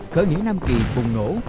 khởi nghĩa nam kỳ bùng nổ